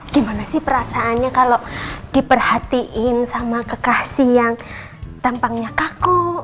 gimana sih perasaannya kalau diperhatiin sama kekasih yang tampangnya kaku